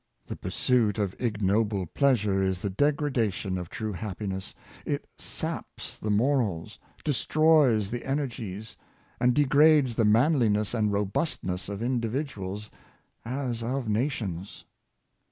The pursuit of ignoble pleasure is the degradation of true happiness; it saps the morals, destroys the energies, and degrades the manliness and robustness of individu als as of nations.